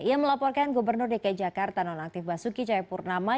yang melaporkan gobernur dki jakarta nonaktif basuki jayapurnama